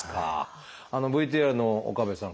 ＶＴＲの岡部さん